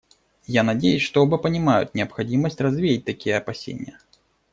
Я надеюсь, что оба понимают необходимость развеять такие опасения.